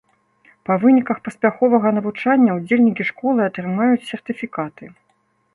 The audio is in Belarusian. Па выніках паспяховага навучання, удзельнікі школы атрымаюць сертыфікаты.